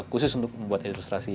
khusus untuk membuat ilustrasi